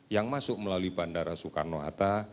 yang masuk melalui bandara soekarno hatta